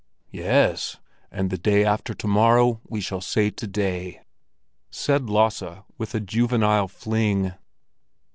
"Yes, and the day after to morrow we shall say to day," said Lasse, with a juvenile fling.